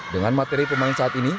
dengan materi pemain saat ini